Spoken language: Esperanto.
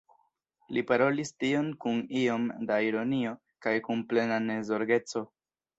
Li parolis tion kun iom da ironio kaj kun plena nezorgeco.